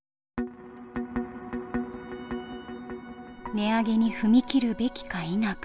値上げに踏み切るべきか否か。